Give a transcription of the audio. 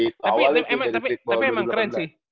tapi emang keren sih